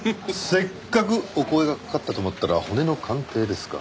せっかくお声がかかったと思ったら骨の鑑定ですか。